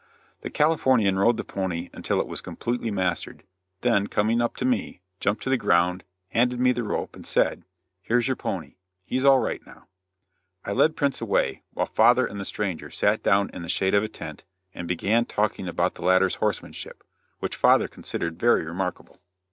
The Californian rode the pony until it was completely mastered, then coming up to me, jumped to the ground, handed me the rope, and said: "Here's your pony. He's all right now." I led Prince away, while father and the stranger sat down in the shade of a tent, and began talking about the latter's horsemanship, which father considered very remarkable.